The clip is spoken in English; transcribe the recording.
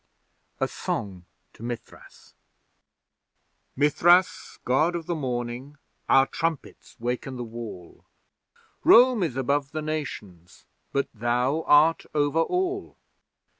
A SONG TO MITHRAS Mithras, God of the Morning, our trumpets waken the Wall! 'Rome is above the Nations, but Thou art over all!'